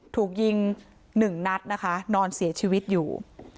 ถูกยิง๑นัดนะคะนอนเสียชีวิตอยู่